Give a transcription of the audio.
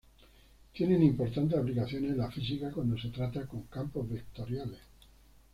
Tienen importantes aplicaciones en la física cuando se trata con campos vectoriales.